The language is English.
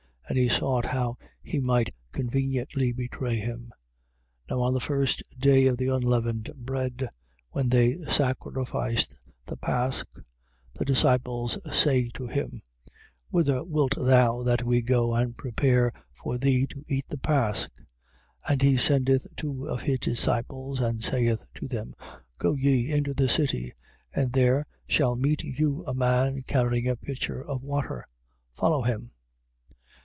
And he sought how he might conveniently betray him. 14:12. Now on the first day of the unleavened bread, when they sacrificed the pasch, the disciples say to him: Whither wilt thou that we go and prepare for thee to eat the pasch? 14:13. And he sendeth two of his disciples and saith to them: Go ye into the city; and there shall meet you a man carrying a pitcher of water. Follow him.